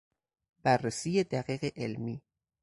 بررسی دقیق علمی